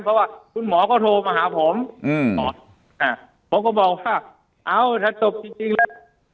เพราะว่าคุณหมอก็โทรมาหาผมผมก็บอกว่าเอาถ้าจบจริงแล้ว